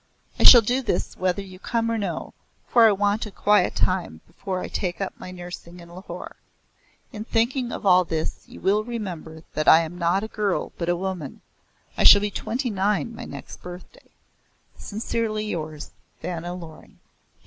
I shall do this whether you come or no, for I want a quiet time before I take up my nursing in Lahore. In thinking of all this will you remember that I am not a girl but a woman. I shall be twenty nine my next birthday. Sincerely yours, VANNA LORING.